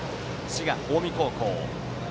滋賀・近江高校。